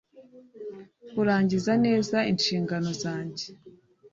kurangiza neza inshingano zange